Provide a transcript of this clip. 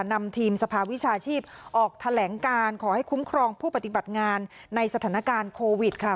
นำทีมสภาวิชาชีพออกแถลงการขอให้คุ้มครองผู้ปฏิบัติงานในสถานการณ์โควิดค่ะ